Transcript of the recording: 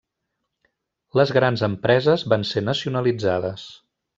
Les grans empreses van ser nacionalitzades.